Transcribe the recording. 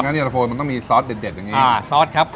เย็นเตอร์โฟลครับมันต้องมีซอสเด็ดเด็ดอย่างนี้อ่าซอสครับ